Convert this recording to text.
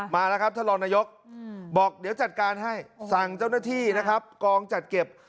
มาแล้วครับท่านรองนายกบอกเดี๋ยวจัดการให้สั่งเจ้าหน้าที่นะครับกองจัดเก็บ